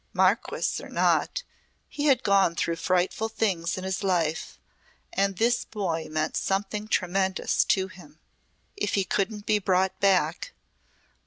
Marquis or not he had gone through frightful things in his life and this boy meant something tremendous to him. If he couldn't be brought back